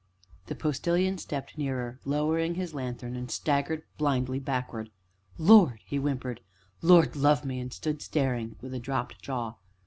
The Postilion stepped nearer, lowering his lanthorns, then staggered blindly backward. "Lord!" he whimpered, "Lord love me!" and stood staring, with dropped jaw.